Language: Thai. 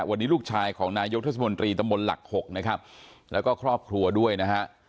วันนี้ลูกชายของนายกเทศมนตรีตำบลหลัก๖นะครับแล้วก็ครอบครัวด้วยนะฮะ